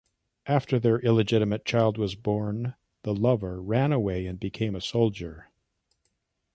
After their illegitimate child was born, the lover ran away and became a soldier.